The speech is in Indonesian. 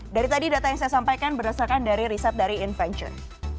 dari tadi data yang saya sampaikan berdasarkan dari riset dari invention